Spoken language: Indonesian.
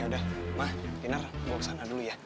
ya udah ma kinar bawa kesana dulu ya